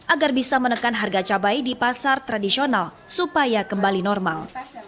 agar bisa menekan harga cabai di pasar tradisional supaya kembali normal